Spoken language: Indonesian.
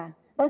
oh setiap anak